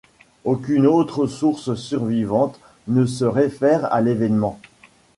Aucune autre source survivante ne se réfère à l'événement.